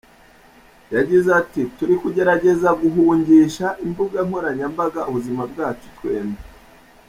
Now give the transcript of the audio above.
Yagize ati "Turi kugerageza guhungisha imbuga nkoranyambaga ubuzima bwacu twembi.